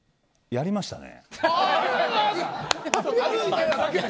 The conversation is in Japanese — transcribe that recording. やりましたね。